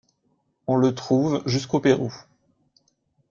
On le trouve jusqu'au Pérou.